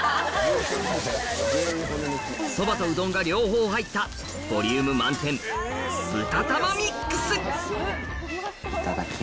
そばとうどんが両方入ったボリューム満点豚玉ミックス！